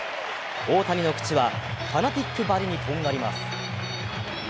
大谷の口はファナティックばりにとんがります。